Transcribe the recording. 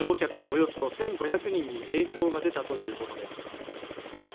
およそ１５００人に影響が出たということです